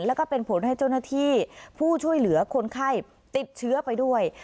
แล้วก็เป็นผลให้เจ้าหน้าที่ผู้ช่วยเหลือคนไข้ติดเชื้อไปด้วย